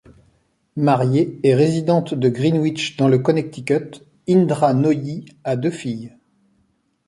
Mariée et résidente de Greenwich dans le Connecticut, Indra Nooyi a deux filles.